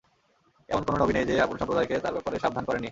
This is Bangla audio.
এমন কোন নবী নেই যে, আপন সম্প্রদায়কে তার ব্যাপারে সাবধান করেন নি।